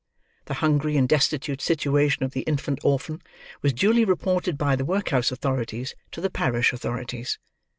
The hungry and destitute situation of the infant orphan was duly reported by the workhouse authorities to the parish authorities.